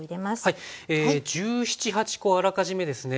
１７１８コあらかじめですね